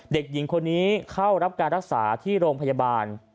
เด็กหญิงคนนี้เข้ารับการรักษาที่โรงพยาบาล